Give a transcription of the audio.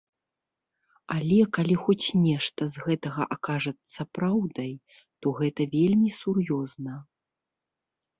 Але калі хоць нешта з гэтага акажацца праўдай, то гэта вельмі сур'ёзна.